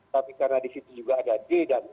tapi karena di situ juga ada d dan b